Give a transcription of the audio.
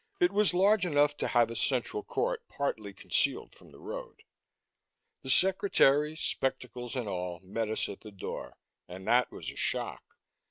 It was large enough to have a central court partly concealed from the road. The secretary, spectacles and all, met us at the door and that was a shock.